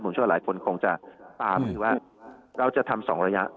มองช่วยหลายคนคงจะตามคือว่าเราจะทำสองระยะ